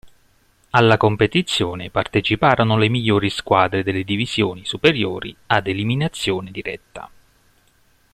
Alla competizione parteciparono le migliori squadre delle divisioni superiori ad eliminazione diretta.